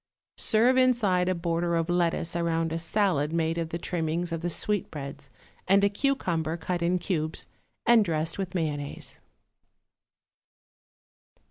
Serve inside a border of lettuce around a salad made of the trimmings of the sweetbreads and a cucumber cut in cubes and dressed with mayonnaise.